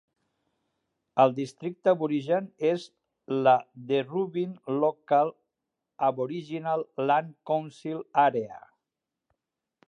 El districte aborigen és la Deerubbin Local Aboriginal Land Council Area.